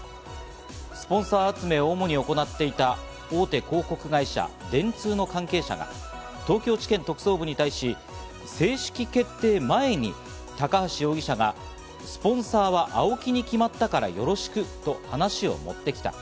スポンサー集めを主に行っていた、大手広告会社・電通の関係者が東京地検特捜部に対し、正式決定前に高橋容疑者が、スポンサーはＡＯＫＩに決まったからよろしくと話を持ってきた。